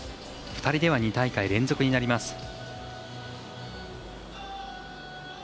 ２人では２大会連続になります。